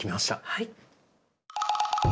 はい。